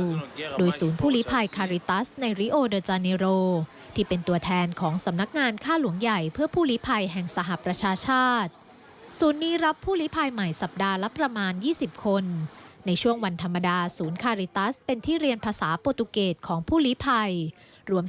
ศูนย์ผู้ลิภัยคาริตัสในริโอเดอร์จาเนโรที่เป็นตัวแทนของสำนักงานค่าหลวงใหญ่เพื่อผู้ลิภัยแห่งสหประชาชาติศูนย์นี้รับผู้ลิภัยใหม่สัปดาห์ละประมาณ๒๐คนในช่วงวันธรรมดาศูนย์คาริตัสเป็นที่เรียนภาษาโปรตูเกตของผู้ลิภัยรวม